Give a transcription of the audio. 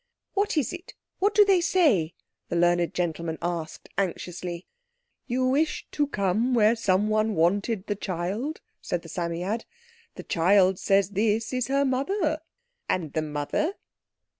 "What is it? What do they say?" the learned gentleman asked anxiously. "You wished to come where someone wanted the child," said the Psammead. "The child says this is her mother." "And the mother?"